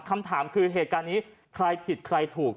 คำถามคือเหตุการณ์นี้ใครผิดใครถูก